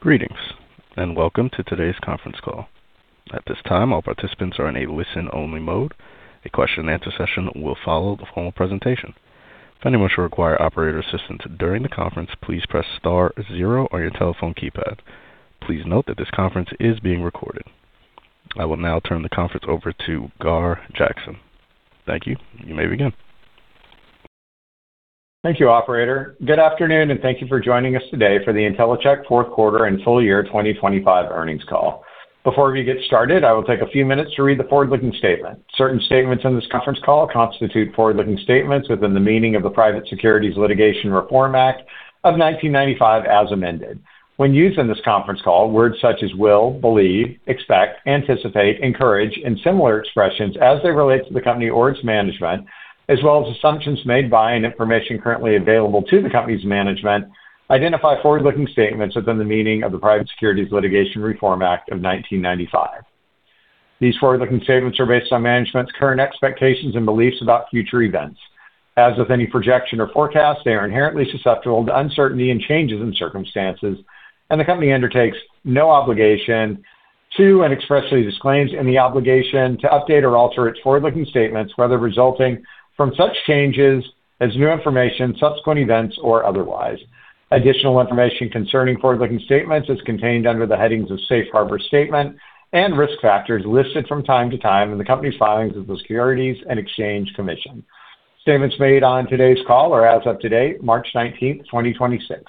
Greetings, and welcome to today's conference call. At this time, all participants are in a listen-only mode. A question-and-answer session will follow the formal presentation. If anyone should require operator assistance during the conference, please press star zero on your telephone keypad. Please note that this conference is being recorded. I will now turn the conference over to Gar Jackson. Thank you. You may begin. Thank you, operator. Good afternoon, and thank you for joining us today for the Intellicheck Q4 and full year 2025 earnings call. Before we get started, I will take a few minutes to read the forward-looking statement. Certain statements on this conference call constitute forward-looking statements within the meaning of the Private Securities Litigation Reform Act of 1995 as amended. When used in this conference call, words such as will, believe, expect, anticipate, encourage, and similar expressions as they relate to the company or its management, as well as assumptions made by and information currently available to the company's management, identify forward-looking statements within the meaning of the Private Securities Litigation Reform Act of 1995. These forward-looking statements are based on management's current expectations and beliefs about future events. As with any projection or forecast, they are inherently susceptible to uncertainty and changes in circumstances, and the company undertakes no obligation to and expressly disclaims any obligation to update or alter its forward-looking statements whether resulting from such changes as new information, subsequent events, or otherwise. Additional information concerning forward-looking statements is contained under the headings of Safe Harbor Statement and Risk Factors listed from time to time in the company's filings with the Securities and Exchange Commission. Statements made on today's call are as of today, March 19, 2026.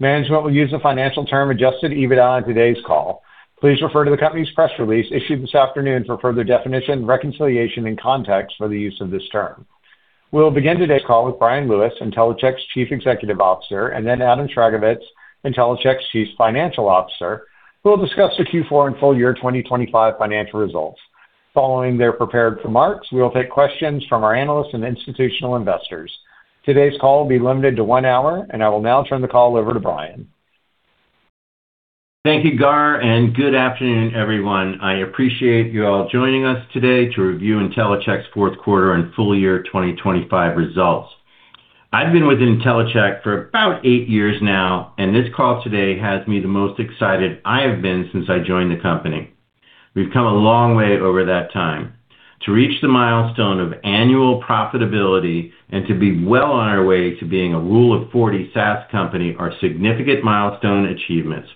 Management will use the financial term Adjusted EBITDA on today's call. Please refer to the company's press release issued this afternoon for further definition, reconciliation, and context for the use of this term. We'll begin today's call with Bryan Lewis, Intellicheck's Chief Executive Officer, and then Adam Sragovicz, Intellicheck's Chief Financial Officer, who will discuss the Q4 and full year 2025 financial results. Following their prepared remarks, we will take questions from our analysts and institutional investors. Today's call will be limited to one hour, and I will now turn the call over to Bryan. Thank you, Gar, and good afternoon, everyone. I appreciate you all joining us today to review Intellicheck's Q4 and full year 2025 results. I've been with Intellicheck for about eight years now, and this call today has me the most excited I have been since I joined the company. We've come a long way over that time. To reach the milestone of annual profitability and to be well on our way to being a Rule of 40 SaaS company are significant milestone achievements.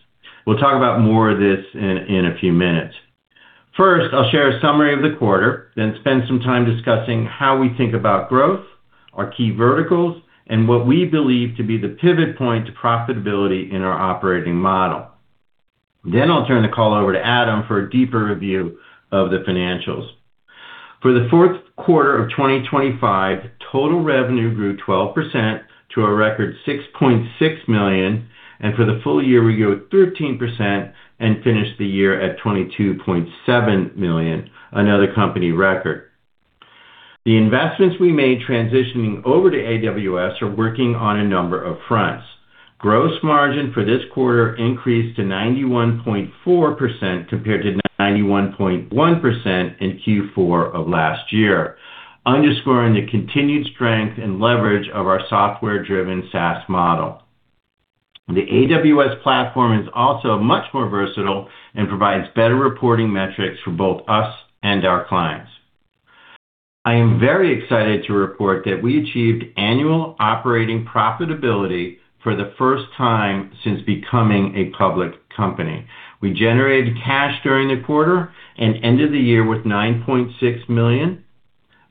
We'll talk about more of this in a few minutes. First, I'll share a summary of the quarter, then spend some time discussing how we think about growth, our key verticals, and what we believe to be the pivot point to profitability in our operating model. Then I'll turn the call over to Adam for a deeper review of the financials. For the Q4 of 2025, total revenue grew 12% to a record $6.6 million, and for the full year, we grew 13% and finished the year at $22.7 million, another company record. The investments we made transitioning over to AWS are working on a number of fronts. Gross margin for this quarter increased to 91.4% compared to 91.1% in Q4 of last year, underscoring the continued strength and leverage of our software-driven SaaS model. The AWS platform is also much more versatile and provides better reporting metrics for both us and our clients. I am very excited to report that we achieved annual operating profitability for the first time since becoming a public company. We generated cash during the quarter and ended the year with $9.6 million,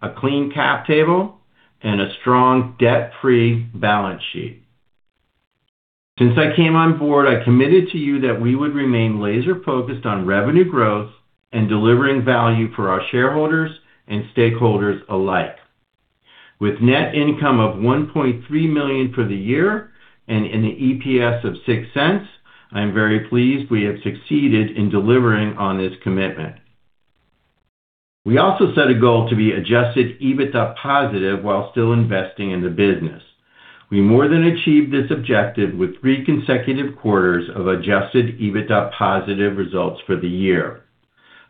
a clean cap table, and a strong debt-free balance sheet. Since I came on board, I committed to you that we would remain laser-focused on revenue growth and delivering value for our shareholders and stakeholders alike. With net income of $1.3 million for the year and an EPS of $0.06, I am very pleased we have succeeded in delivering on this commitment. We also set a goal to be adjusted EBITDA positive while still investing in the business. We more than achieved this objective with 3 consecutive quarters of adjusted EBITDA positive results for the year.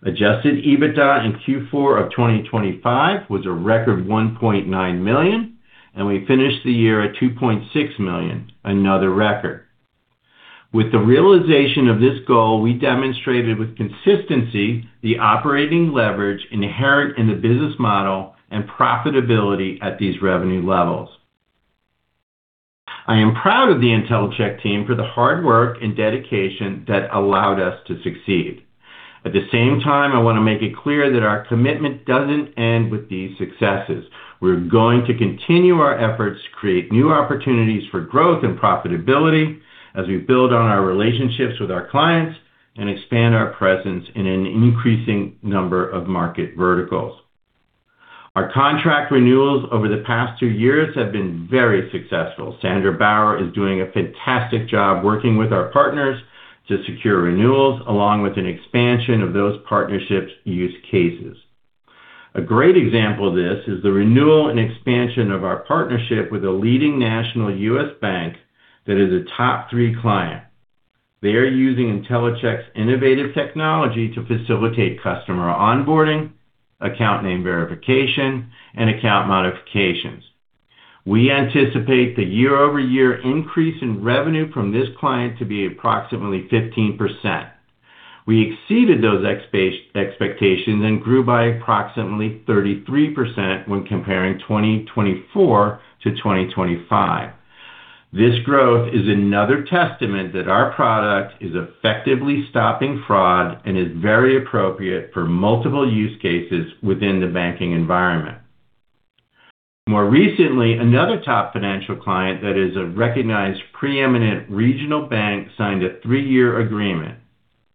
Adjusted EBITDA in Q4 of 2025 was a record $1.9 million, and we finished the year at $2.6 million, another record. With the realization of this goal, we demonstrated with consistency the operating leverage inherent in the business model and profitability at these revenue levels. I am proud of the Intellicheck team for the hard work and dedication that allowed us to succeed. At the same time, I want to make it clear that our commitment doesn't end with these successes. We're going to continue our efforts to create new opportunities for growth and profitability as we build on our relationships with our clients and expand our presence in an increasing number of market verticals. Our contract renewals over the past two years have been very successful. Sandra Bauer is doing a fantastic job working with our partners to secure renewals along with an expansion of those partnerships' use cases. A great example of this is the renewal and expansion of our partnership with a leading national U.S. bank that is a top three client. They are using Intellicheck's innovative technology to facilitate customer onboarding, account name verification, and account modifications. We anticipate the year-over-year increase in revenue from this client to be approximately 15%. We exceeded those expectations and grew by approximately 33% when comparing 2024 to 2025. This growth is another testament that our product is effectively stopping fraud and is very appropriate for multiple use cases within the banking environment. More recently, another top financial client that is a recognized preeminent regional bank signed a three-year agreement.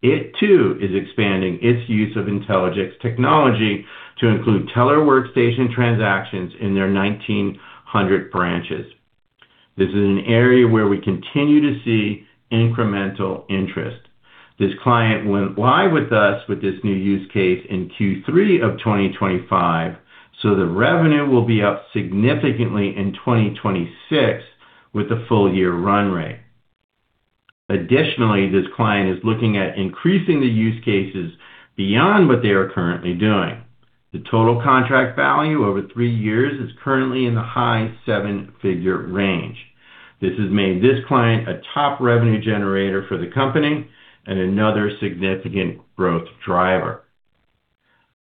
It, too, is expanding its use of Intellicheck's technology to include teller workstation transactions in their 1900 branches. This is an area where we continue to see incremental interest. This client went live with us with this new use case in Q3 of 2025, so the revenue will be up significantly in 2026 with a full year run rate. Additionally, this client is looking at increasing the use cases beyond what they are currently doing. The total contract value over three years is currently in the high seven-figure range. This has made this client a top revenue generator for the company and another significant growth driver.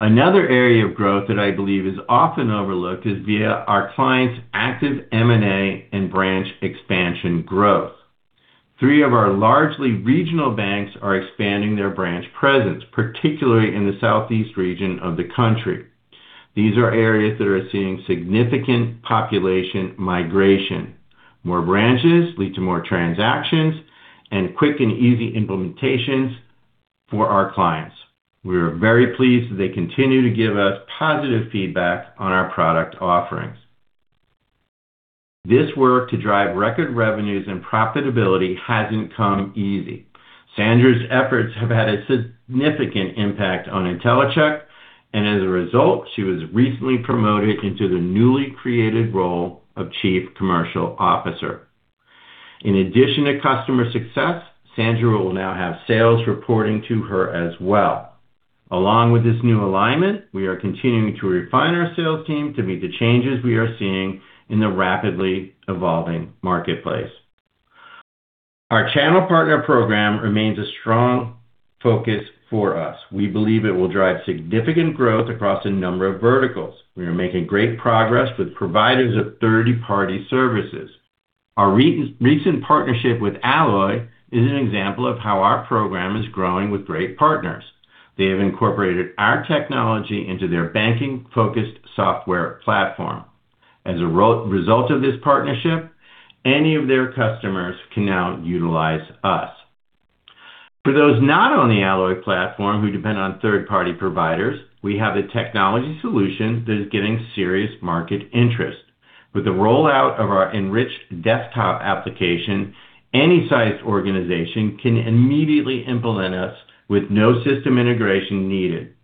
Another area of growth that I believe is often overlooked is via our clients' active M&A and branch expansion growth. 3 of our largely regional banks are expanding their branch presence, particularly in the Southeast region of the country. These are areas that are seeing significant population migration. More branches lead to more transactions and quick and easy implementations for our clients. We are very pleased that they continue to give us positive feedback on our product offerings. This work to drive record revenues and profitability hasn't come easy. Sandra's efforts have had a significant impact on Intellicheck, and as a result, she was recently promoted into the newly created role of Chief Commercial Officer. In addition to customer success, Sandra will now have sales reporting to her as well. Along with this new alignment, we are continuing to refine our sales team to meet the changes we are seeing in the rapidly evolving marketplace. Our channel partner program remains a strong focus for us. We believe it will drive significant growth across a number of verticals. We are making great progress with providers of third-party services. Our recent partnership with Alloy is an example of how our program is growing with great partners. They have incorporated our technology into their banking-focused software platform. As a result of this partnership, any of their customers can now utilize us. For those not on the Alloy platform who depend on third-party providers, we have a technology solution that is getting serious market interest. With the rollout of our enriched desktop application, any sized organization can immediately implement us with no system integration needed.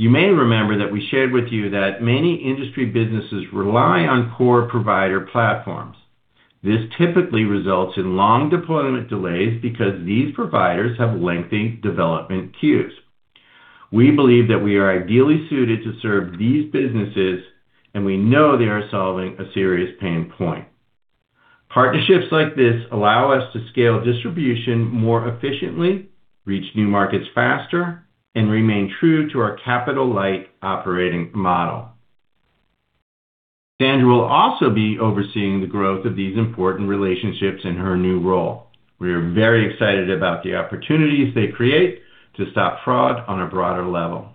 You may remember that we shared with you that many industry businesses rely on core provider platforms. This typically results in long deployment delays because these providers have lengthy development queues. We believe that we are ideally suited to serve these businesses, and we know they are solving a serious pain point. Partnerships like this allow us to scale distribution more efficiently, reach new markets faster, and remain true to our capital-light operating model. Sandra will also be overseeing the growth of these important relationships in her new role. We are very excited about the opportunities they create to stop fraud on a broader level.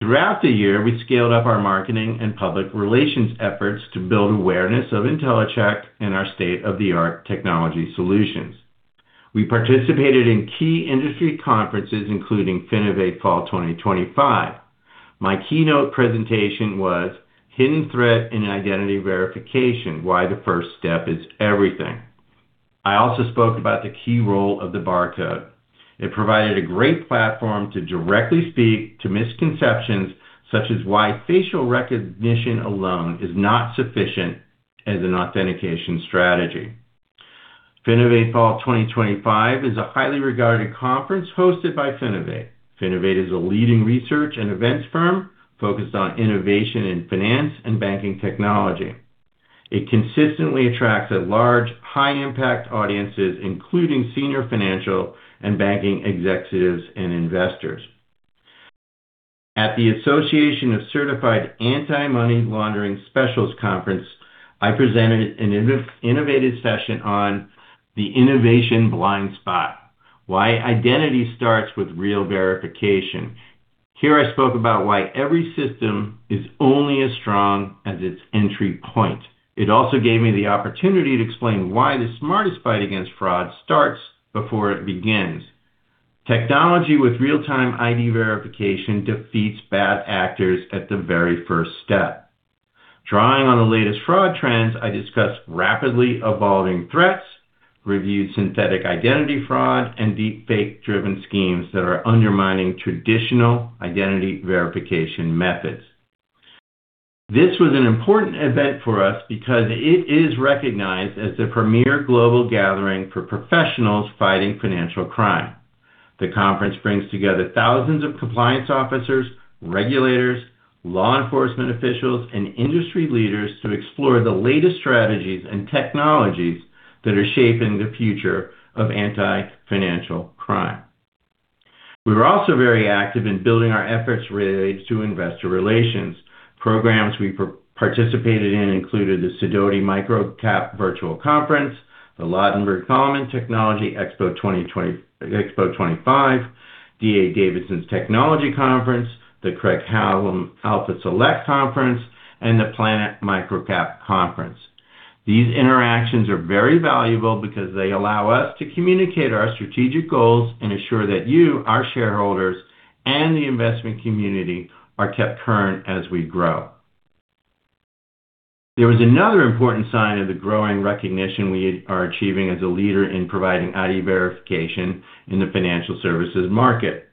Throughout the year, we scaled up our marketing and public relations efforts to build awareness of Intellicheck and our state-of-the-art technology solutions. We participated in key industry conferences, including FinovateFall 2025. My keynote presentation was Hidden Threat in Identity Verification: Why the First Step is Everything. I also spoke about the key role of the barcode. It provided a great platform to directly speak to misconceptions, such as why facial recognition alone is not sufficient as an authentication strategy. FinovateFall 2025 is a highly regarded conference hosted by Finovate. Finovate is a leading research and events firm focused on innovation in finance and banking technology. It consistently attracts a large, high-impact audience, including senior financial and banking executives and investors. At the Association of Certified Anti-Money Laundering Specialists Conference, I presented an innovative session on The Innovation Blind Spot: Why Identity Starts with Real Verification. Here I spoke about why every system is only as strong as its entry point. It also gave me the opportunity to explain why the smartest fight against fraud starts before it begins. Technology with real-time ID verification defeats bad actors at the very first step. Drawing on the latest fraud trends, I discussed rapidly evolving threats, reviewed synthetic identity fraud, and deepfake-driven schemes that are undermining traditional identity verification methods. This was an important event for us because it is recognized as the premier global gathering for professionals fighting financial crime. The conference brings together thousands of compliance officers, regulators, law enforcement officials, and industry leaders to explore the latest strategies and technologies that are shaping the future of anti-financial crime. We were also very active in building our efforts related to Investor relations. Programs we participated in included the Sidoti Micro-Cap Virtual Conference, the Ladenburg Thalmann Technology Expo 2025, D.A. Davidson's Technology Conference, the Craig-Hallum Alpha Select Conference, and the Planet MicroCap Conference. These interactions are very valuable because they allow us to communicate our strategic goals and ensure that you, our shareholders, and the investment community are kept current as we grow. There was another important sign of the growing recognition we are achieving as a leader in providing ID verification in the financial services market.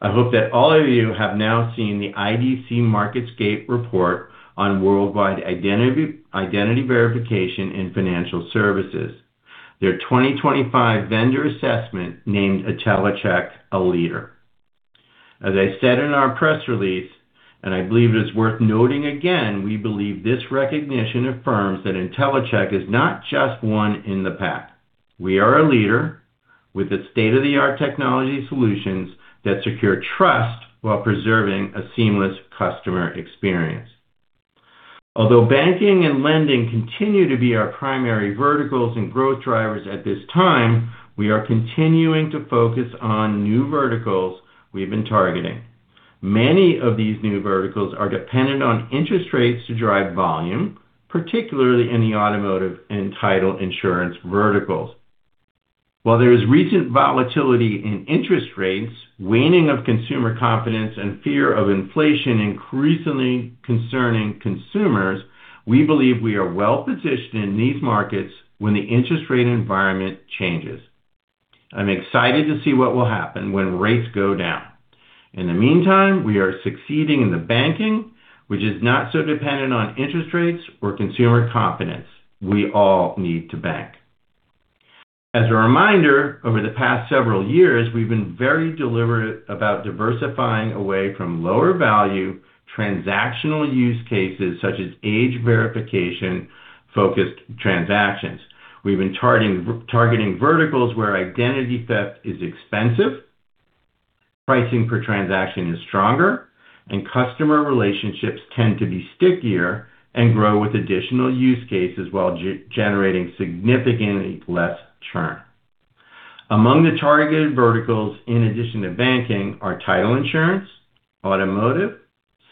I hope that all of you have now seen the IDC MarketScape report on worldwide identity verification in financial services. Their 2025 vendor assessment named Intellicheck a leader. As I said in our press release, and I believe it is worth noting again, we believe this recognition affirms that Intellicheck is not just one in the pack. We are a leader with its state-of-the-art technology solutions that secure trust while preserving a seamless customer experience. Although banking and lending continue to be our primary verticals and growth drivers at this time, we are continuing to focus on new verticals we've been targeting. Many of these new verticals are dependent on interest rates to drive volume, particularly in the automotive and title insurance verticals. While there is recent volatility in interest rates, waning of consumer confidence, and fear of inflation increasingly concerning consumers, we believe we are well-positioned in these markets when the interest rate environment changes. I'm excited to see what will happen when rates go down. In the meantime, we are succeeding in the banking, which is not so dependent on interest rates or consumer confidence. We all need to bank. As a reminder, over the past several years, we've been very deliberate about diversifying away from lower value transactional use cases such as age verification-focused transactions. We've been targeting verticals where identity theft is expensive, pricing per transaction is stronger, and customer relationships tend to be stickier and grow with additional use cases while generating significantly less churn. Among the targeted verticals, in addition to banking, are title insurance, automotive,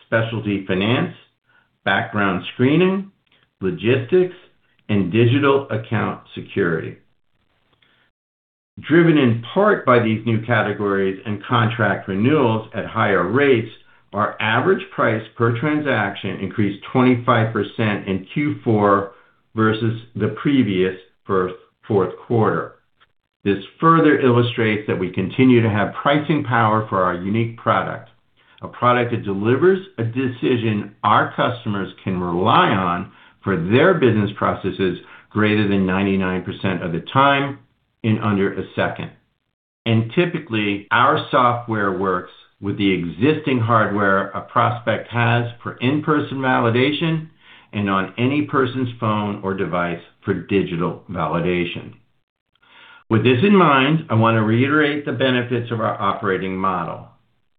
specialty finance, background screening, logistics, and digital account security. Driven in part by these new categories and contract renewals at higher rates, our average price per transaction increased 25% in Q4 versus the previous Q4. This further illustrates that we continue to have pricing power for our unique product, a product that delivers a decision our customers can rely on for their business processes greater than 99% of the time in under a second. Typically, our software works with the existing hardware a prospect has for in-person validation and on any person's phone or device for digital validation. With this in mind, I want to reiterate the benefits of our operating model.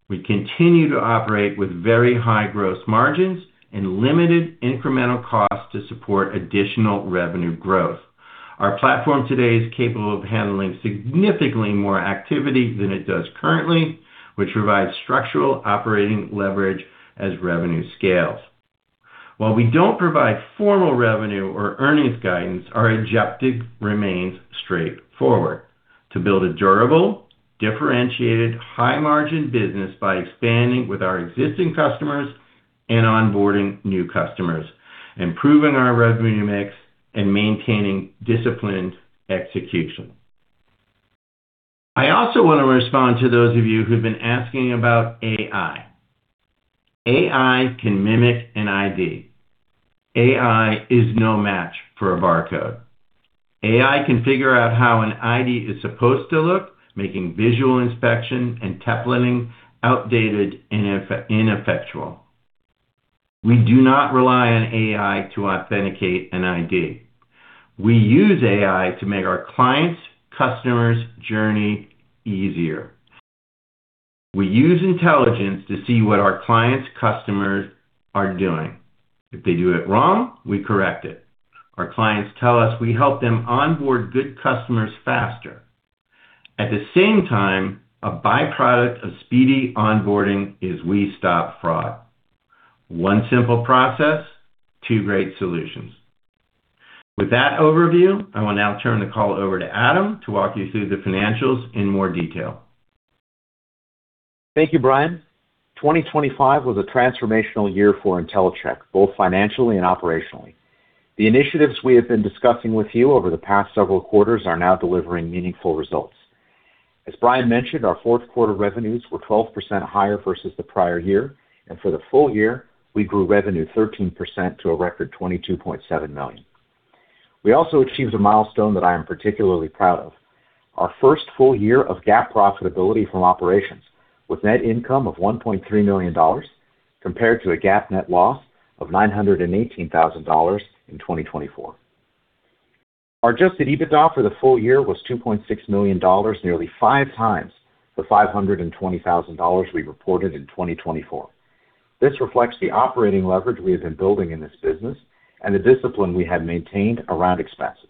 We continue to operate with very high gross margins and limited incremental costs to support additional revenue growth. Our platform today is capable of handling significantly more activity than it does currently, which provides structural operating leverage as revenue scales. While we don't provide formal revenue or earnings guidance, our objective remains straightforward. To build a durable, differentiated, high-margin business by expanding with our existing customers and onboarding new customers, improving our revenue mix, and maintaining disciplined execution. I also want to respond to those of you who've been asking about AI. AI can mimic an ID. AI is no match for a barcode. AI can figure out how an ID is supposed to look, making visual inspection and templating outdated and ineffectual. We do not rely on AI to authenticate an ID. We use AI to make our client's customer's journey easier. We use intelligence to see what our client's customers are doing. If they do it wrong, we correct it. Our clients tell us we help them onboard good customers faster. At the same time, a byproduct of speedy onboarding is we stop fraud. One simple process, two great solutions. With that overview, I will now turn the call over to Adam to walk you through the financials in more detail. Thank you, Bryan. 2025 was a transformational year for Intellicheck, both financially and operationally. The initiatives we have been discussing with you over the past several quarters are now delivering meaningful results. As Bryan mentioned, our Q4 revenues were 12% higher versus the prior year, and for the full year, we grew revenue 13% to a record $22.7 million. We also achieved a milestone that I am particularly proud of. Our first full year of GAAP profitability from operations, with net income of $1.3 million compared to a GAAP net loss of $918,000 in 2024. Our Adjusted EBITDA for the full year was $2.6 million, nearly five times the $520,000 we reported in 2024. This reflects the operating leverage we have been building in this business and the discipline we have maintained around expenses.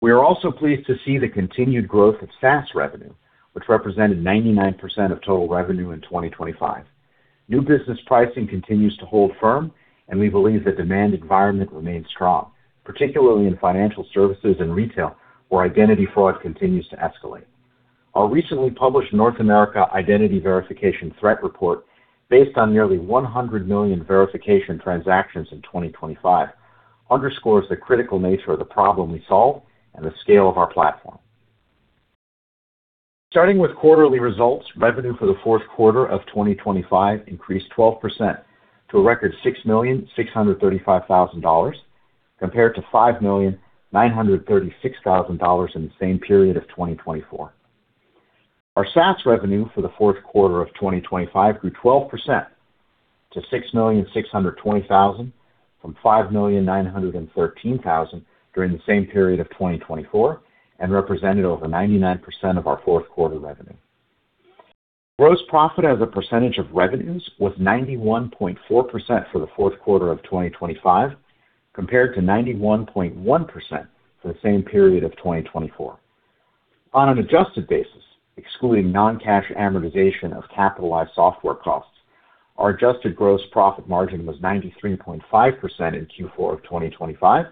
We are also pleased to see the continued growth of SaaS revenue, which represented 99% of total revenue in 2025. New business pricing continues to hold firm, and we believe the demand environment remains strong, particularly in financial services and retail, where identity fraud continues to escalate. Our recently published North America Identity Verification Threat Report, based on nearly 100 million verification transactions in 2025, underscores the critical nature of the problem we solve and the scale of our platform. Starting with quarterly results, revenue for the Q4 of 2025 increased 12% to a record $6,635,000 compared to $5,936,000 in the same period of 2024. Our SaaS revenue for the Q4 of 2025 grew 12% to $6.62 million from $5.913 million during the same period of 2024 and represented over 99% of our Q4 revenue. Gross profit as a percentage of revenues was 91.4% for the Q4 of 2025 compared to 91.1% for the same period of 2024. On an adjusted basis, excluding non-cash amortization of capitalized software costs, our adjusted gross profit margin was 93.5% in Q4 of 2025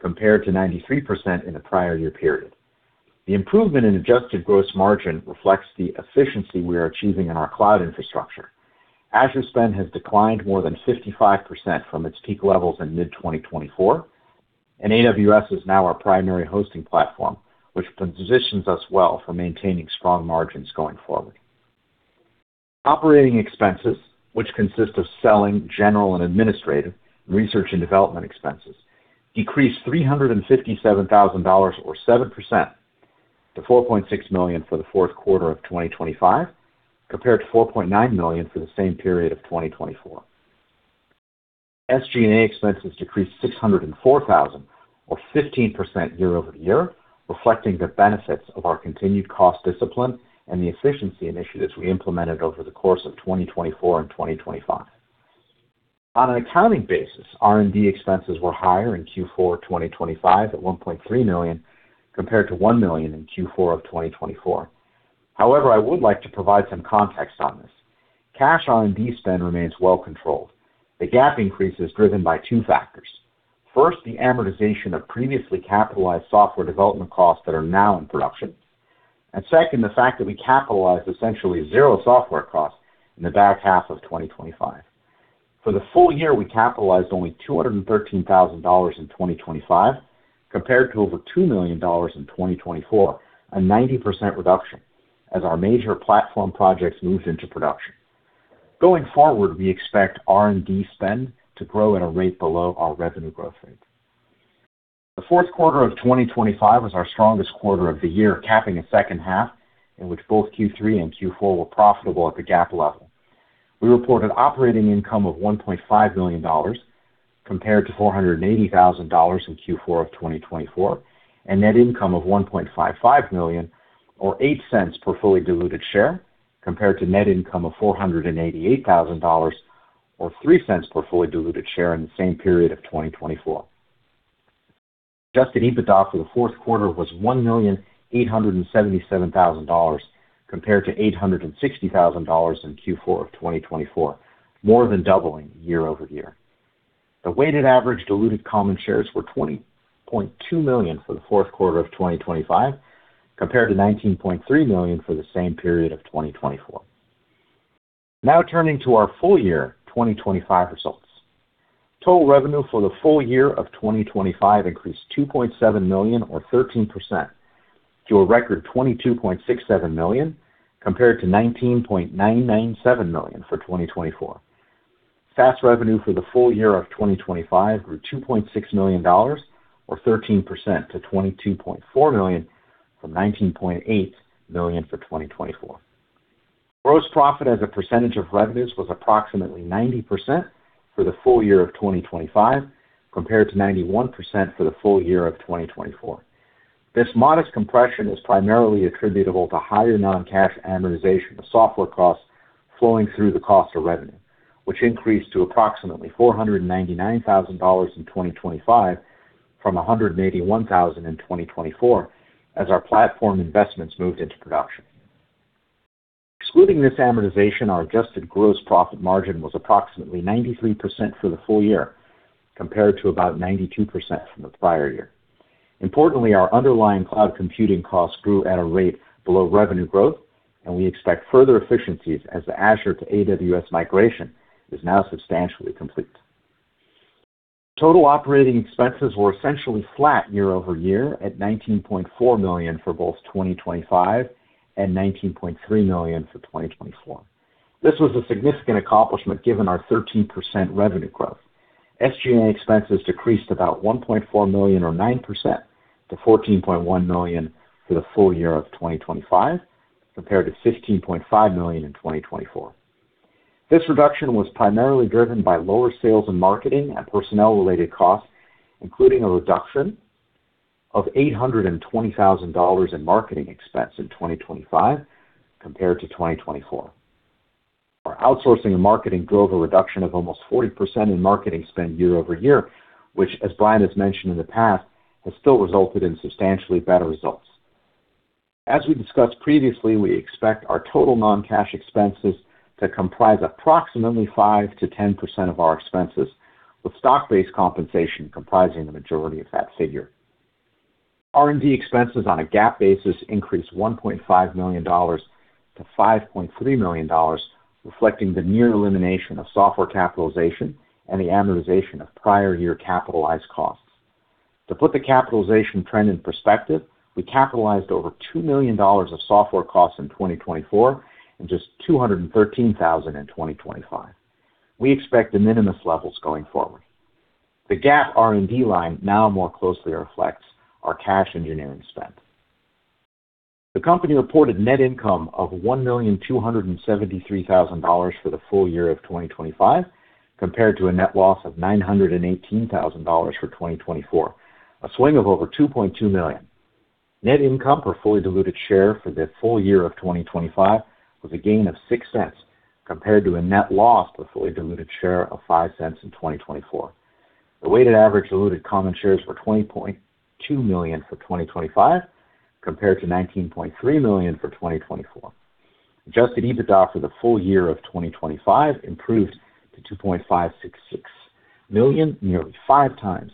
compared to 93% in the prior year period. The improvement in adjusted gross margin reflects the efficiency we are achieving in our cloud infrastructure. Azure spend has declined more than 55% from its peak levels in mid-2024, and AWS is now our primary hosting platform, which positions us well for maintaining strong margins going forward. Operating expenses, which consist of selling, general and administrative research and development expenses, decreased $357,000 or 7% to $4.6 million for the Q4 of 2025 compared to $4.9 million for the same period of 2024. SG&A expenses decreased $604,000 or 15% year-over-year, reflecting the benefits of our continued cost discipline and the efficiency initiatives we implemented over the course of 2024 and 2025. On an accounting basis, R&D expenses were higher in Q4 2025 at $1.3 million compared to $1 million in Q4 of 2024. However, I would like to provide some context on this. Cash R&D spend remains well controlled. The GAAP increase is driven by two factors. First, the amortization of previously capitalized software development costs that are now in production. Second, the fact that we capitalized essentially zero software costs in the back half of 2025. For the full year, we capitalized only $213,000 in 2025 compared to over $2 million in 2024, a 90% reduction as our major platform projects moved into production. Going forward, we expect R&D spend to grow at a rate below our revenue growth rate. The Q4 of 2025 was our strongest quarter of the year, capping a second half in which both Q3 and Q4 were profitable at the GAAP level. We reported operating income of $1.5 million compared to $480,000 in Q4 of 2024, and net income of $1.55 million or $0.08 per fully diluted share, compared to net income of $488,000 or $0.03 per fully diluted share in the same period of 2024. Adjusted EBITDA for the Q4 was $1,877,000 compared to $860,000 in Q4 of 2024, more than doubling year-over-year. The weighted average diluted common shares were 20.2 million for the Q4 of 2025 compared to 19.3 million for the same period of 2024. Now turning to our full year 2025 results. Total revenue for the full year of 2025 increased $2.7 million or 13% to a record $22.67 million compared to $19.997 million for 2024. SaaS revenue for the full year of 2025 grew $2.6 million or 13% to $22.4 million from $19.8 million for 2024. Gross profit as a percentage of revenues was approximately 90% for the full year of 2025 compared to 91% for the full year of 2024. This modest compression is primarily attributable to higher non-cash amortization of software costs flowing through the cost of revenue, which increased to approximately $499,000 in 2025 from $181,000 in 2024 as our platform investments moved into production. Excluding this amortization, our adjusted gross profit margin was approximately 93% for the full year compared to about 92% from the prior year. Importantly, our underlying cloud computing costs grew at a rate below revenue growth, and we expect further efficiencies as the Azure to AWS migration is now substantially complete. Total operating expenses were essentially flat year-over-year at $19.4 million for both 2025 and $19.3 million for 2024. This was a significant accomplishment given our 13% revenue growth. SG&A expenses decreased about $1.4 million, or 9% to $14.1 million for the full year of 2025, compared to $15.5 million in 2024. This reduction was primarily driven by lower sales and marketing and personnel-related costs, including a reduction of $820,000 in marketing expense in 2025 compared to 2024. Our outsourcing and marketing drove a reduction of almost 40% in marketing spend year-over-year, which, as Bryan has mentioned in the past, has still resulted in substantially better results. As we discussed previously, we expect our total non-cash expenses to comprise approximately 5%-10% of our expenses, with stock-based compensation comprising the majority of that figure. R&D expenses on a GAAP basis increased $1.5 million to $5.3 million, reflecting the near elimination of software capitalization and the amortization of prior year capitalized costs. To put the capitalization trend in perspective, we capitalized over $2 million of software costs in 2024 and just $213 thousand in 2025. We expect de minimis levels going forward. The GAAP R&D line now more closely reflects our cash engineering spend. The company reported net income of $1.273 million for the full year of 2025, compared to a net loss of $918 thousand for 2024, a swing of over $2.2 million. Net income per fully diluted share for the full year of 2025 was a gain of $0.06, compared to a net loss per fully diluted share of $0.05 in 2024. The weighted average diluted common shares were 20.2 million for 2025 compared to 19.3 million for 2024. Adjusted EBITDA for the full year of 2025 improved to $2.566 million, nearly 5 times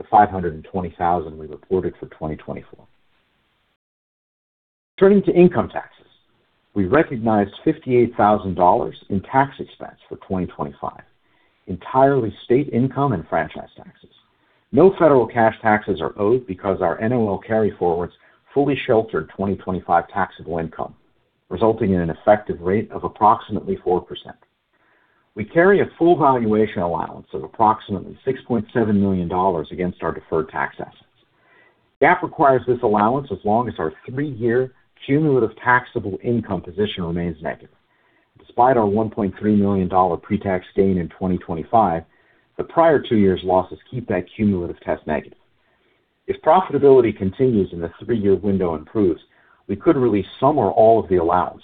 the $520,000 we reported for 2024. Turning to income taxes. We recognized $58,000 in tax expense for 2025, entirely state income and franchise taxes. No federal cash taxes are owed because our NOL carryforwards fully sheltered 2025 taxable income, resulting in an effective rate of approximately 4%. We carry a full valuation allowance of approximately $6.7 million against our deferred tax assets. GAAP requires this allowance as long as our three-year cumulative taxable income position remains negative. Despite our $1.3 million pre-tax gain in 2025, the prior years losses keep that cumulative test negative. If profitability continues and the three-year window improves, we could release some or all of the allowance,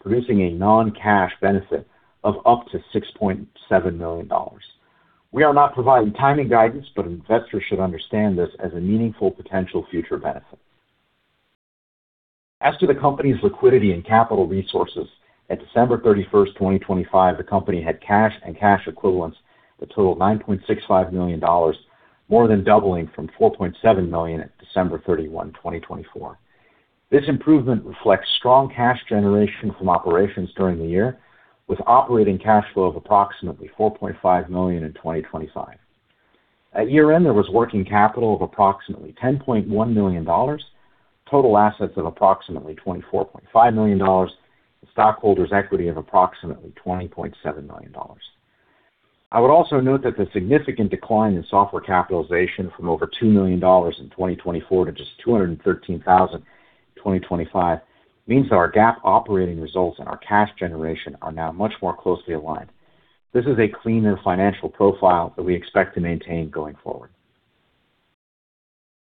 producing a non-cash benefit of up to $6.7 million. We are not providing timing guidance, but investors should understand this as a meaningful potential future benefit. As to the company's liquidity and capital resources, at December 31, 2025, the company had cash and cash equivalents that totaled $9.65 million, more than doubling from $4.7 million at December 31, 2024. This improvement reflects strong cash generation from operations during the year, with operating cash flow of approximately $4.5 million in 2025. At year-end, there was working capital of approximately $10.1 million, total assets of approximately $24.5 million, and stockholders' equity of approximately $20.7 million. I would also note that the significant decline in software capitalization from over $2 million in 2024 to just $213,000 in 2025 means that our GAAP operating results and our cash generation are now much more closely aligned. This is a cleaner financial profile that we expect to maintain going forward.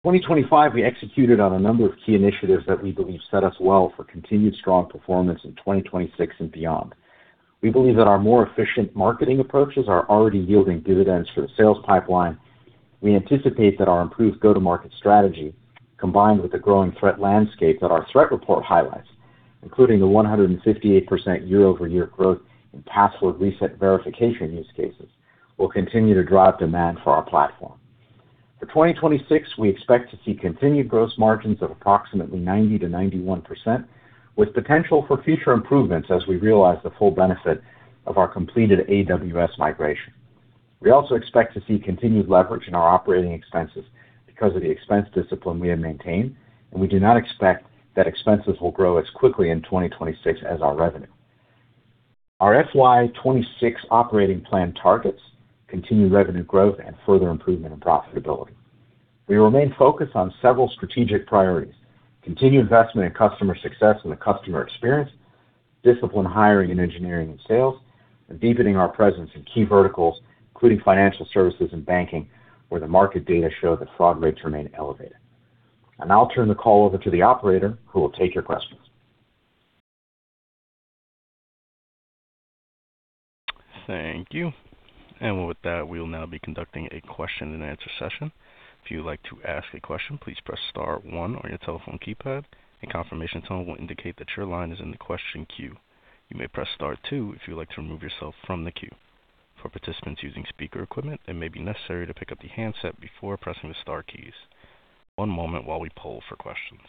In 2025, we executed on a number of key initiatives that we believe set us well for continued strong performance in 2026 and beyond. We believe that our more efficient marketing approaches are already yielding dividends for the sales pipeline. We anticipate that our improved go-to-market strategy, combined with the growing threat landscape that our threat report highlights, including the 158% year-over-year growth in password reset verification use cases, will continue to drive demand for our platform. For 2026, we expect to see continued gross margins of approximately 90%-91%, with potential for future improvements as we realize the full benefit of our completed AWS migration. We also expect to see continued leverage in our operating expenses because of the expense discipline we have maintained, and we do not expect that expenses will grow as quickly in 2026 as our revenue. Our FY 2026 operating plan targets continued revenue growth and further improvement in profitability. We remain focused on several strategic priorities, continued investment in customer success and the customer experience, disciplined hiring in engineering and sales, and deepening our presence in key verticals, including financial services and banking, where the market data show that fraud rates remain elevated. I'll now turn the call over to the operator who will take your questions. Thank you. With that, we will now be conducting a question and answer session. If you would like to ask a question, please press star one on your telephone keypad. A confirmation tone will indicate that your line is in the question queue. You may press star two if you would like to remove yourself from the queue. For participants using speaker equipment, it may be necessary to pick up the handset before pressing the star keys. One moment while we poll for questions.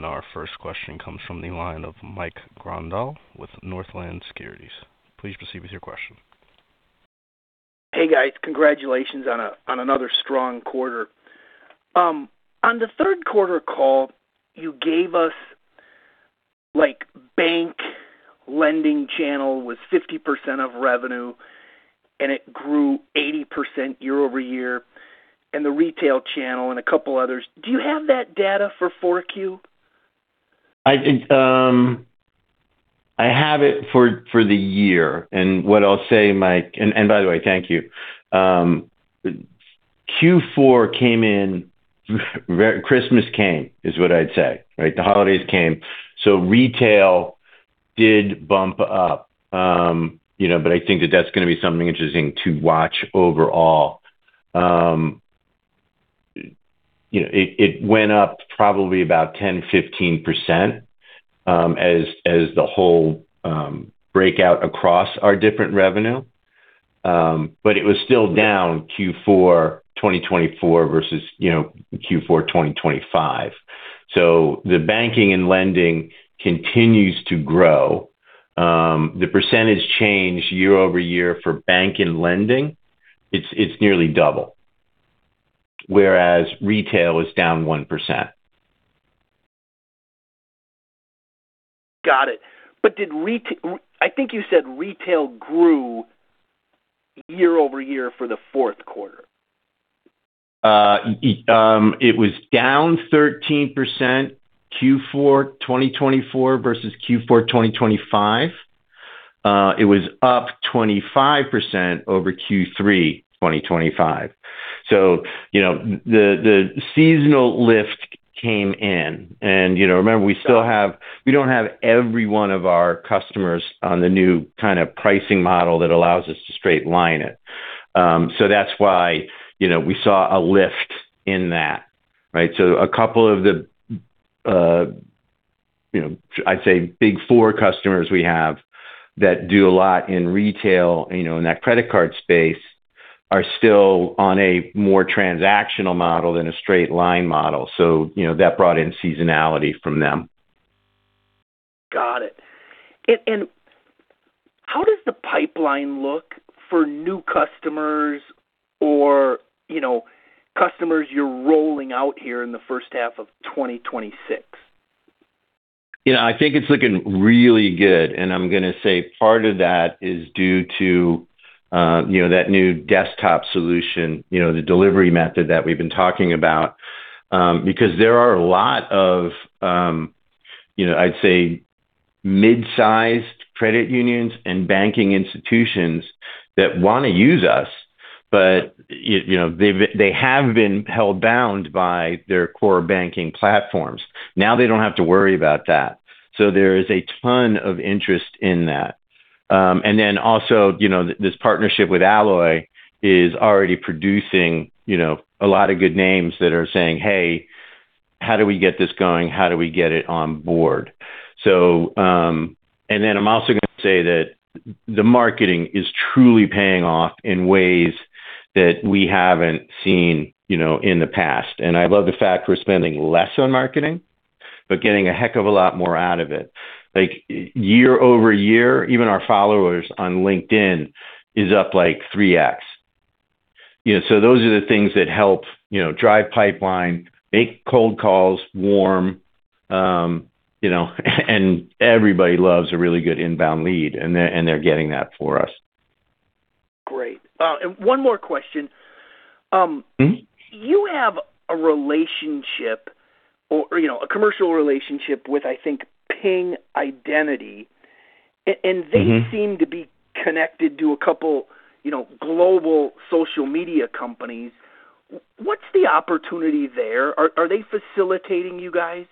Our first question comes from the line of Mike Grondahl with Northland Securities. Please proceed with your question. Hey, guys. Congratulations on another strong quarter. On the Q3 call, you gave us, like, bank lending channel was 50% of revenue, and it grew 80% year-over-year in the retail channel and a couple others. Do you have that data for 4Q? I think I have it for the year. What I'll say, Mike, and by the way, thank you. Q4 came in very. Christmas came, is what I'd say, right? The holidays came, so retail did bump up. You know, but I think that's gonna be something interesting to watch overall. You know, it went up probably about 10, 15%, as the whole breakout across our different revenue. But it was still down Q4 2024 versus Q4 2025. The banking and lending continues to grow. The percentage change year-over-year for banking and lending, it's nearly double, whereas retail is down 1%. Got it. I think you said retail grew year-over-year for the Q4. It was down 13% Q4 2024 versus Q4 2025. It was up 25% over Q3 2025. You know, the seasonal lift came in and, you know, remember, we don't have every one of our customers on the new kind of pricing model that allows us to straight line it. That's why, you know, we saw a lift in that, right? A couple of, you know, I'd say big four customers we have that do a lot in retail, you know, in that credit card space, are still on a more transactional model than a straight line model. You know, that brought in seasonality from them. Got it. How does the pipeline look for new customers or, you know, customers you're rolling out here in the first half of 2026? You know, I think it's looking really good, and I'm gonna say part of that is due to you know, that new desktop solution, you know, the delivery method that we've been talking about. Because there are a lot of, you know, I'd say mid-sized credit unions and banking institutions that wanna use us, but you know, they have been held bound by their core banking platforms. Now they don't have to worry about that. There is a ton of interest in that. Then also, you know, this partnership with Alloy is already producing, you know, a lot of good names that are saying, "Hey, how do we get this going? How do we get it on board?" I'm also gonna say that the marketing is truly paying off in ways that we haven't seen, you know, in the past. I love the fact we're spending less on marketing, but getting a heck of a lot more out of it. Like year-over-year, even our followers on LinkedIn is up like 3x. You know, so those are the things that help, you know, drive pipeline, make cold calls warm, you know, and everybody loves a really good inbound lead, and they're getting that for us. Great. One more question. Mm-hmm. You have a relationship or, you know, a commercial relationship with, I think, Ping Identity? Mm-hmm. They seem to be connected to a couple, you know, global social media companies. What's the opportunity there? Are they facilitating you guys?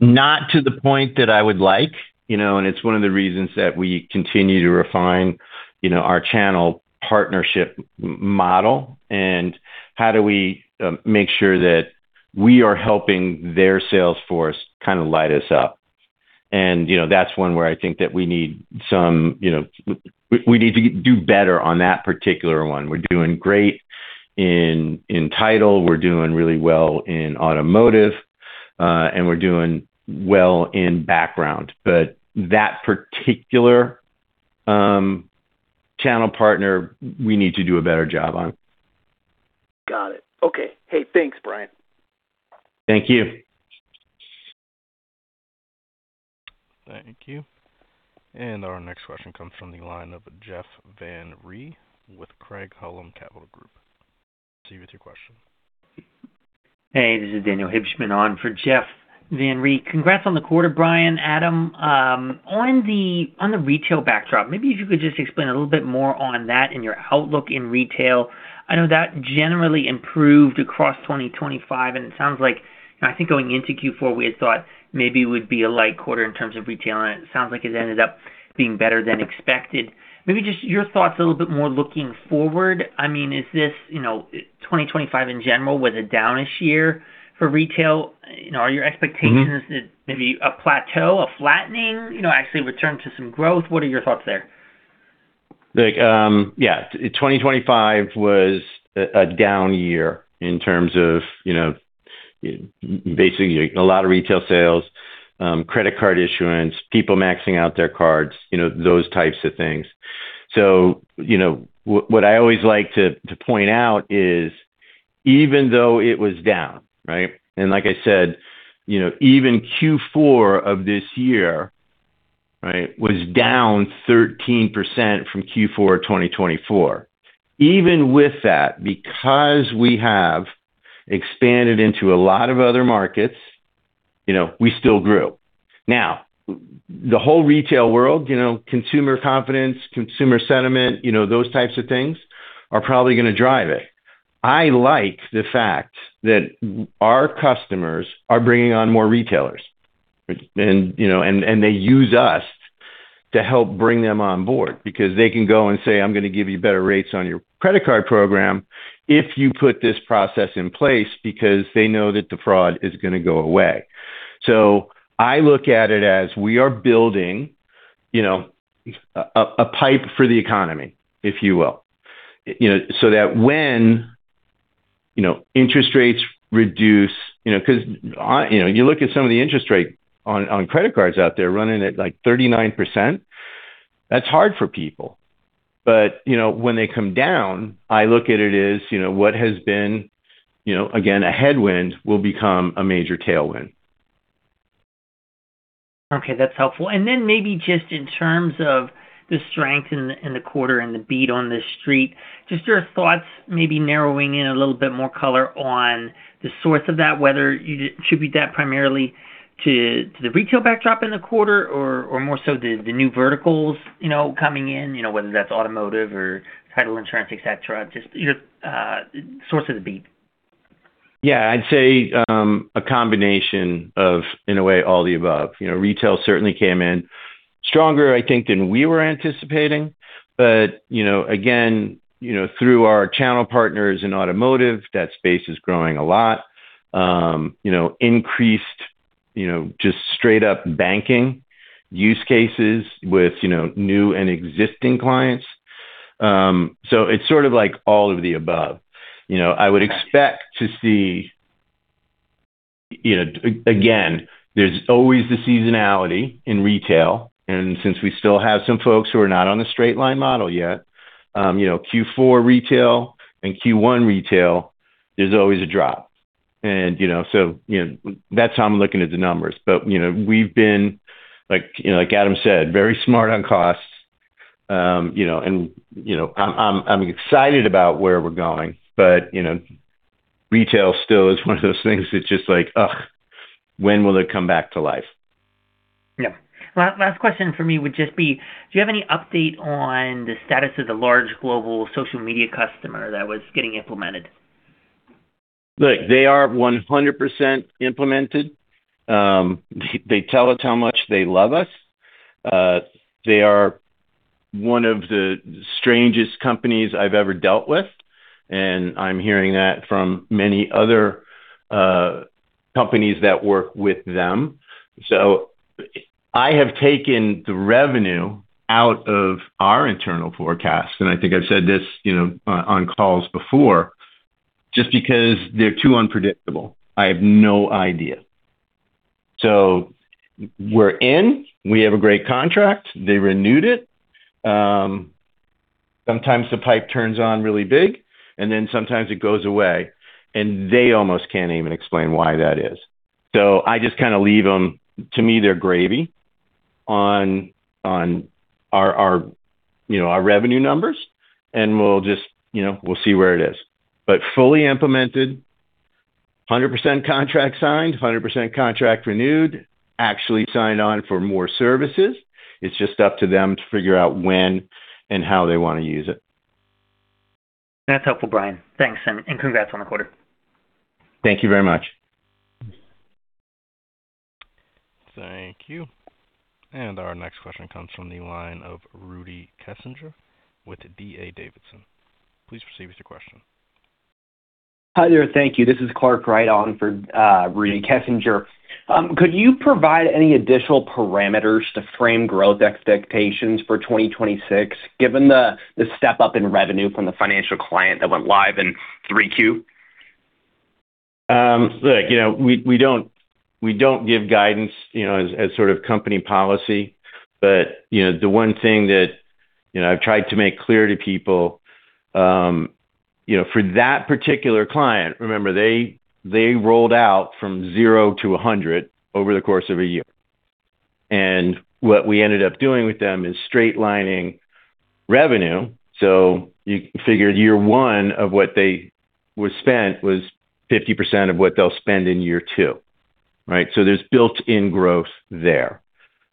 Not to the point that I would like, you know, and it's one of the reasons that we continue to refine, you know, our channel partnership model and how do we make sure that we are helping their sales force kind of light us up. You know, that's one where I think that we need some, you know. We need to do better on that particular one. We're doing great in title, we're doing really well in automotive, and we're doing well in background. But that particular channel partner, we need to do a better job on. Got it. Okay. Hey, thanks, Bryan. Thank you. Thank you. Our next question comes from the line of Jeff Van Rhee with Craig-Hallum Capital Group. Proceed with your question. Hey, this is Daniel Hibshman on for Jeff Van Rhee. Congrats on the quarter, Bryan, Adam. On the retail backdrop, maybe if you could just explain a little bit more on that and your outlook in retail. I know that generally improved across 2025, and it sounds like, and I think going into Q4, we had thought maybe it would be a light quarter in terms of retail, and it sounds like it ended up being better than expected. Maybe just your thoughts a little bit more looking forward. I mean, is this, you know, 2025 in general was a down-ish year for retail. You know, are your expectations- Mm-hmm Maybe a plateau, a flattening, you know, actually return to some growth? What are your thoughts there? Like, yeah, 2025 was a down year in terms of, you know, basically, a lot of retail sales, credit card issuance, people maxing out their cards, you know, those types of things. You know, what I always like to point out is even though it was down, right? Like I said, you know, even Q4 of this year, right, was down 13% from Q4 of 2024. Even with that, because we have expanded into a lot of other markets, you know, we still grew. Now, the whole retail world, you know, consumer confidence, consumer sentiment, you know, those types of things are probably gonna drive it. I like the fact that our customers are bringing on more retailers, and they use us to help bring them on board because they can go and say, "I'm gonna give you better rates on your credit card program if you put this process in place," because they know that the fraud is gonna go away. I look at it as we are building, you know, a pipe for the economy, if you will. You know, so that when, you know, interest rates reduce, you know, 'cause you know, you look at some of the interest rate on credit cards out there running at, like, 39%, that's hard for people. When they come down, I look at it as, you know, what has been, you know, again, a headwind will become a major tailwind. Okay, that's helpful. Then maybe just in terms of the strength in the quarter and the beat on the Street, just your thoughts maybe narrowing in a little bit more color on the source of that, whether you'd attribute that primarily to the retail backdrop in the quarter or more so the new verticals, you know, coming in, you know, whether that's automotive or title insurance, et cetera. Just your source of the beat. Yeah. I'd say a combination of, in a way, all the above. You know, retail certainly came in stronger, I think, than we were anticipating. You know, again, you know, through our channel partners in automotive, that space is growing a lot. You know, increased, you know, just straight up banking use cases with, you know, new and existing clients. It's sort of like all of the above. You know, I would expect to see. You know, again, there's always the seasonality in retail, and since we still have some folks who are not on the straight line model yet, you know, Q4 retail and Q1 retail, there's always a drop. You know, so, you know, that's how I'm looking at the numbers. You know, we've been like, you know, like Adam said, very smart on costs. You know, and, you know, I'm excited about where we're going. You know, retail still is one of those things that's just like, ugh, when will it come back to life? Yeah. Last question for me would just be, do you have any update on the status of the large global social media customer that was getting implemented? Look, they are 100% implemented. They tell us how much they love us. They are one of the strangest companies I've ever dealt with, and I'm hearing that from many other companies that work with them. I have taken the revenue out of our internal forecast, and I think I've said this, you know, on calls before, just because they're too unpredictable. I have no idea. We're in, we have a great contract. They renewed it. Sometimes the pipe turns on really big, and then sometimes it goes away, and they almost can't even explain why that is. I just kinda leave them. To me, they're gravy on our revenue numbers, and we'll just, you know, we'll see where it is. Fully implemented, 100% contract signed, 100% contract renewed, actually signed on for more services. It's just up to them to figure out when and how they wanna use it. That's helpful, Bryan. Thanks, and congrats on the quarter. Thank you very much. Thank you. Our next question comes from the line of Rudy Kessinger with D.A. Davidson. Please proceed with your question. Hi there. Thank you. This is Clark Wright on for Rudy Kessinger. Could you provide any additional parameters to frame growth expectations for 2026, given the step-up in revenue from the financial client that went live in 3Q? Look, you know, we don't give guidance, you know, as sort of company policy. You know, the one thing that, you know, I've tried to make clear to people, you know, for that particular client, remember they rolled out from zero to 100 over the course of a year. What we ended up doing with them is straight lining revenue. You figure year one of what they would spend was 50% of what they'll spend in year two, right? There's built-in growth there.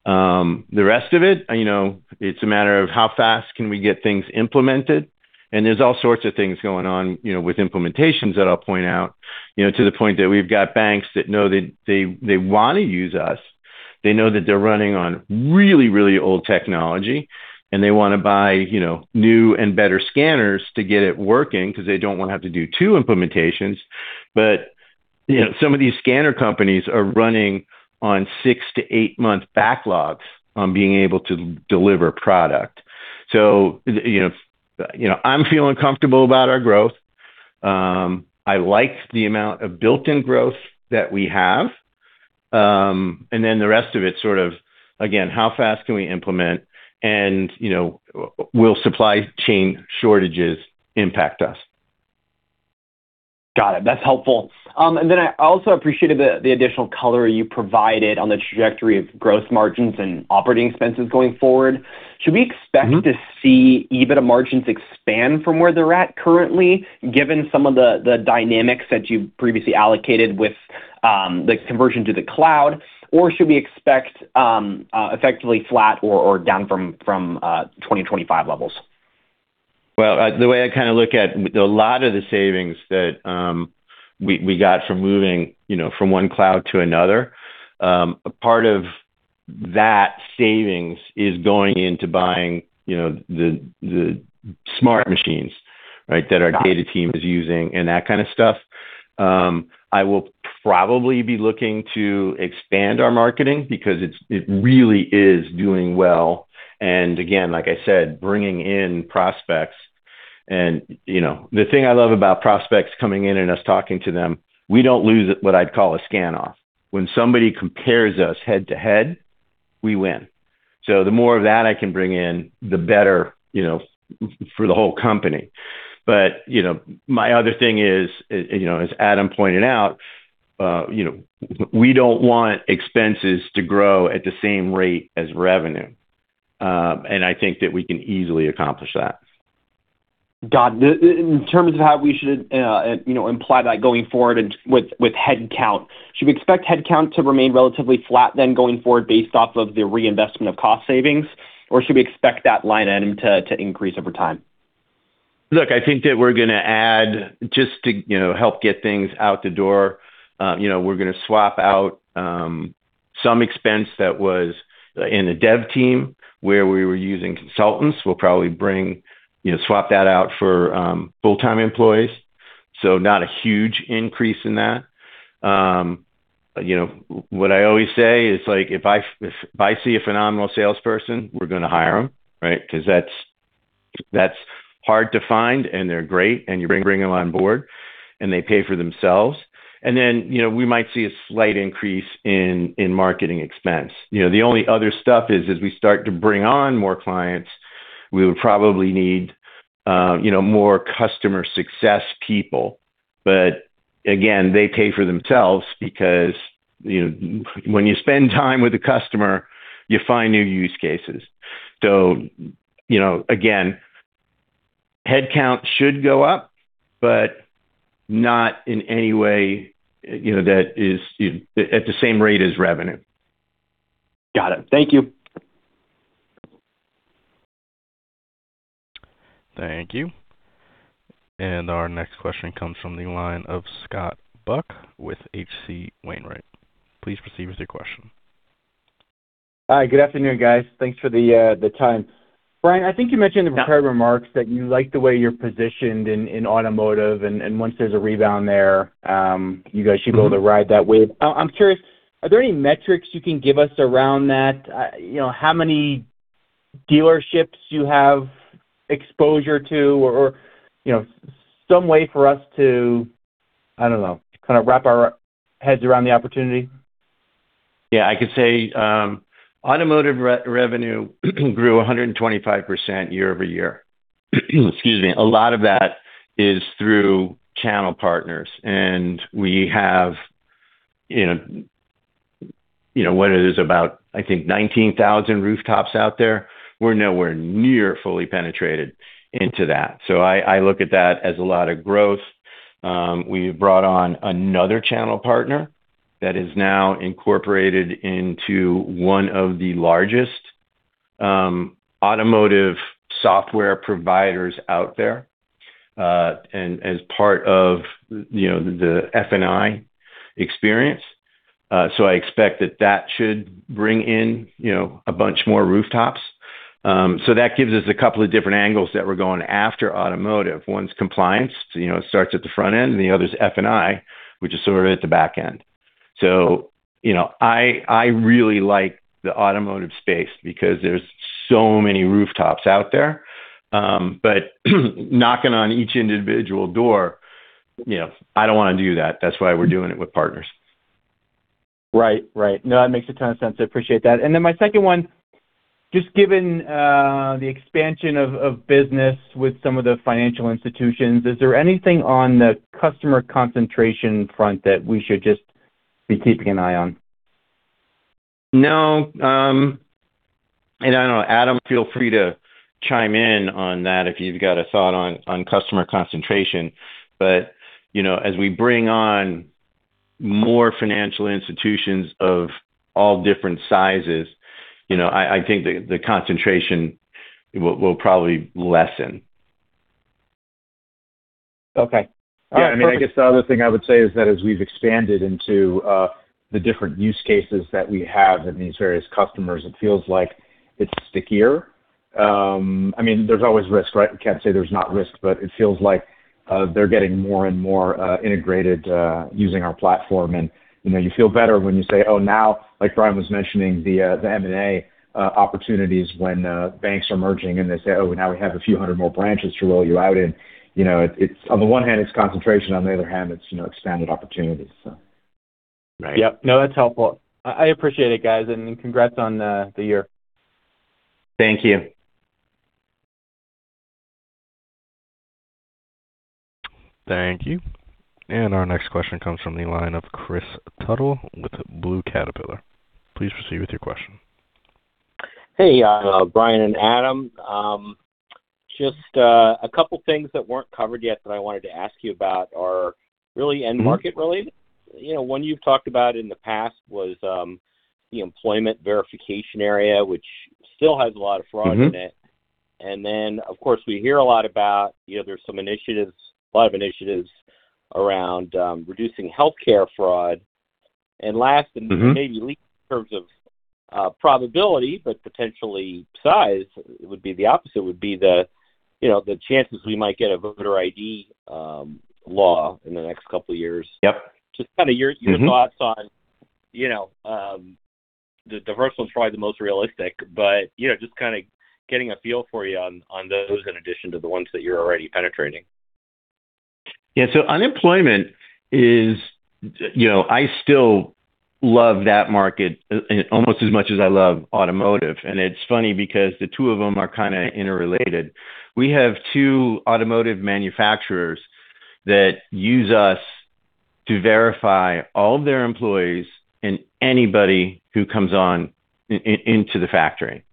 The rest of it, you know, it's a matter of how fast can we get things implemented, and there's all sorts of things going on, you know, with implementations that I'll point out, you know, to the point that we've got banks that know they wanna use us. They know that they're running on really, really old technology, and they wanna buy, you know, new and better scanners to get it working 'cause they don't wanna have to do two implementations. You know, some of these scanner companies are running on six-eigth-month backlogs on being able to deliver product. You know, you know, I'm feeling comfortable about our growth. I like the amount of built-in growth that we have. The rest of it sort of, again, how fast can we implement and, you know, will supply chain shortages impact us? Got it. That's helpful. I also appreciated the additional color you provided on the trajectory of gross margins and operating expenses going forward. Should we expect? Mm-hmm To see EBITDA margins expand from where they're at currently given some of the dynamics that you previously alluded to with the conversion to the cloud? Or should we expect effectively flat or down from 2025 levels? Well, the way I kinda look at a lot of the savings that, we got from moving, you know, from one cloud to another, a part of that savings is going into buying, you know, the smart machines, right? That our data team is using and that kind of stuff. I will probably be looking to expand our marketing because it really is doing well, and again, like I said, bringing in prospects and, you know. The thing I love about prospects coming in and us talking to them, we don't lose what I'd call a scan-off. When somebody compares us head-to-head, we win. The more of that I can bring in, the better, you know, for the whole company. You know, my other thing is, you know, as Adam pointed out, you know, we don't want expenses to grow at the same rate as revenue, and I think that we can easily accomplish that. Got it. In terms of how we should imply that going forward and with headcount, should we expect headcount to remain relatively flat then going forward based off of the reinvestment of cost savings, or should we expect that line item to increase over time? Look, I think that we're gonna add just to, you know, help get things out the door. You know, we're gonna swap out some expense that was in the dev team where we were using consultants. We'll probably bring, you know, swap that out for full-time employees, so not a huge increase in that. You know, what I always say is, like, if I see a phenomenal salesperson, we're gonna hire them, right? 'Cause that's hard to find, and they're great, and you bring them on board, and they pay for themselves. You know, we might see a slight increase in marketing expense. You know, the only other stuff is as we start to bring on more clients, we would probably need, you know, more customer success people. Again, they pay for themselves because, you know, when you spend time with a customer, you find new use cases. You know, again, headcount should go up, but not in any way, you know, that is, you know, at the same rate as revenue. Got it. Thank you. Thank you. Our next question comes from the line of Scott Buck with H.C. Wainwright. Please proceed with your question. Hi. Good afternoon, guys. Thanks for the time. Bryan, I think you mentioned in the prepared remarks that you like the way you're positioned in automotive and once there's a rebound there, you guys should be able to ride that wave. I'm curious, are there any metrics you can give us around that? You know, how many dealerships you have exposure to or, you know, some way for us to, I don't know, kind of wrap our heads around the opportunity? Yeah. I could say, automotive revenue grew 125% year-over-year. Excuse me. A lot of that is through channel partners, and we have, you know, what it is about, I think 19,000 rooftops out there. We're nowhere near fully penetrated into that. I look at that as a lot of growth. We brought on another channel partner that is now incorporated into one of the largest, automotive software providers out there, and as part of, you know, the F&I experience. I expect that that should bring in, you know, a bunch more rooftops. That gives us a couple of different angles that we're going after automotive. One's compliance, you know, it starts at the front end, and the other's F&I, which is sort of at the back end. You know, I really like the automotive space because there's so many rooftops out there, but knocking on each individual door, you know, I don't wanna do that. That's why we're doing it with partners. Right. No, that makes a ton of sense. I appreciate that. My second one, just given the expansion of business with some of the financial institutions, is there anything on the customer concentration front that we should just be keeping an eye on? No, I don't know, Adam, feel free to chime in on that if you've got a thought on customer concentration. You know, as we bring on more financial institutions of all different sizes, you know, I think the concentration will probably lessen. Okay. Yeah, I guess the other thing I would say is that as we've expanded into the different use cases that we have in these various customers, it feels like it's stickier. I mean, there's always risk, right? We can't say there's not risk, but it feels like they're getting more and more integrated using our platform. You know, you feel better when you say, oh, now like Bryan was mentioning, the M&A opportunities when banks are merging, and they say, "Oh, now we have a few hundred more branches to roll you out in." You know, it's on the one hand, it's concentration. On the other hand, it's, you know, expanded opportunities, so. Right. Yep. No, that's helpful. I appreciate it, guys, and congrats on the year. Thank you. Thank you. Our next question comes from the line of Kris Tuttle with Blue Caterpillar. Please proceed with your question. Hey, Bryan and Adam. Just a couple things that weren't covered yet that I wanted to ask you about are really end market related. You know, one you've talked about in the past was the employment verification area, which still has a lot of fraud in it. Mm-hmm. Of course, we hear a lot about, you know, there's some initiatives, a lot of initiatives around reducing healthcare fraud. Mm-hmm Maybe least in terms of probability, but potentially size, it would be the opposite, you know, the chances we might get a voter ID law in the next couple years. Yep. Just kinda your- Mm-hmm thoughts on, you know, the first one's probably the most realistic, but you know, just kinda getting a feel for you on those in addition to the ones that you're already penetrating. Yeah. Unemployment is, you know, I still love that market almost as much as I love automotive. It's funny because the two of them are kinda interrelated. We have two automotive manufacturers that use us to verify all of their employees and anybody who comes on into the factory.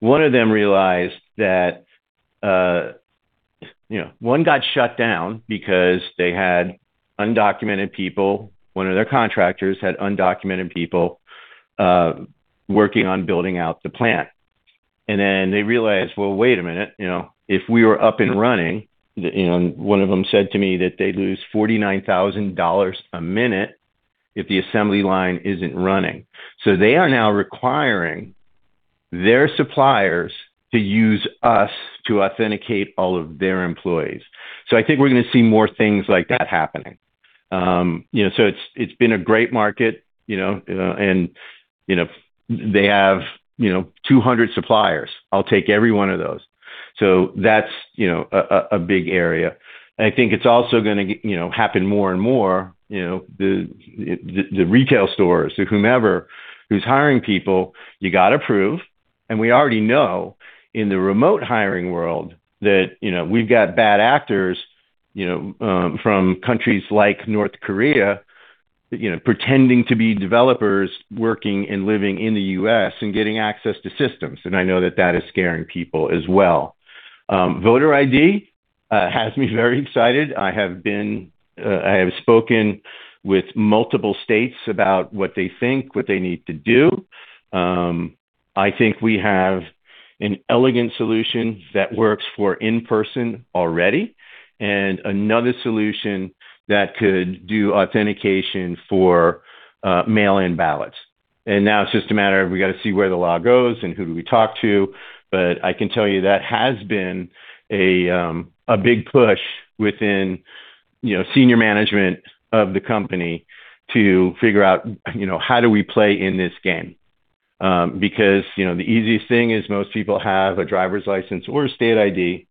One of them realized that one got shut down because they had undocumented people. One of their contractors had undocumented people working on building out the plant. Then they realized, well, wait a minute, you know, if we were up and running, you know, one of them said to me that they'd lose $49,000 a minute if the assembly line isn't running. They are now requiring their suppliers to use us to authenticate all of their employees. I think we're gonna see more things like that happening. You know, it's been a great market, you know, and they have 200 suppliers. I'll take every one of those. That's a big area. I think it's also gonna happen more and more, you know, the retail stores or whomever who's hiring people, you gotta prove. We already know in the remote hiring world that, you know, we've got bad actors, you know, from countries like North Korea, you know, pretending to be developers working and living in the U.S. and getting access to systems, and I know that that is scaring people as well. Voter ID has me very excited. I have spoken with multiple states about what they think, what they need to do. I think we have an elegant solution that works for in-person already and another solution that could do authentication for mail-in ballots. Now it's just a matter of we gotta see where the law goes and who do we talk to. I can tell you that has been a big push within, you know, senior management of the company to figure out, you know, how do we play in this game. Because, you know, the easiest thing is most people have a driver's license or a state ID,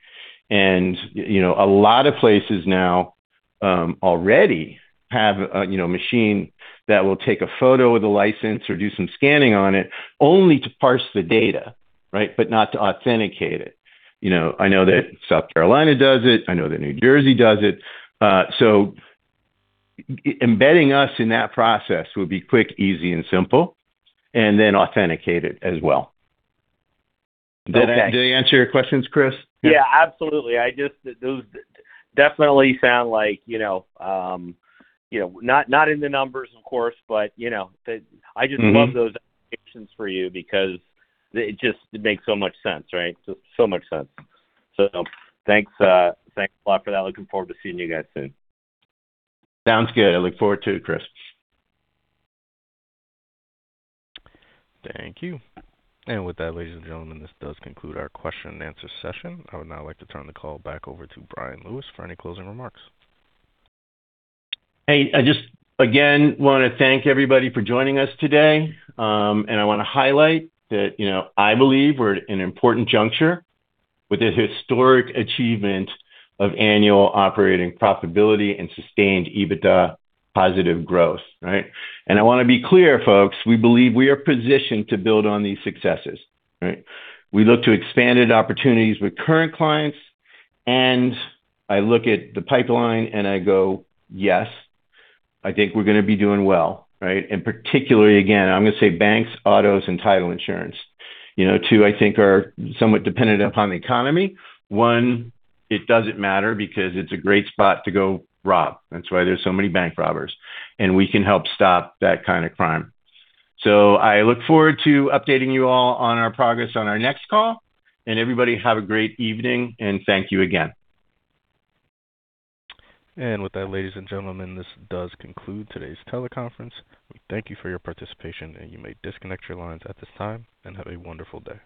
and, you know, a lot of places now already have a machine that will take a photo of the license or do some scanning on it, only to parse the data, right? But not to authenticate it. You know, I know that South Carolina does it. I know that New Jersey does it. Embedding us in that process would be quick, easy, and simple, and then authenticate it as well. Okay. Did I answer your questions, Kris? Yeah, absolutely. Those definitely sound like, you know, not in the numbers, of course, but, you know. Mm-hmm. I just love those applications for you because it just makes so much sense, right? So much sense. Thanks a lot for that. Looking forward to seeing you guys soon. Sounds good. I look forward to it, Kris. Thank you. With that, ladies and gentlemen, this does conclude our question and answer session. I would now like to turn the call back over to Bryan Lewis for any closing remarks. Hey, I just, again, wanna thank everybody for joining us today. I wanna highlight that, you know, I believe we're at an important juncture with this historic achievement of annual operating profitability and sustained EBITDA positive growth, right? I wanna be clear, folks, we believe we are positioned to build on these successes, right? We look to expanded opportunities with current clients, and I look at the pipeline, and I go, "Yes, I think we're gonna be doing well," right? Particularly, again, I'm gonna say banks, autos, and title insurance. You know, two, I think, are somewhat dependent upon the economy. One, it doesn't matter because it's a great spot to go rob. That's why there's so many bank robbers, and we can help stop that kind of crime. I look forward to updating you all on our progress on our next call. Everybody, have a great evening, and thank you again. With that, ladies and gentlemen, this does conclude today's teleconference. We thank you for your participation, and you may disconnect your lines at this time, and have a wonderful day.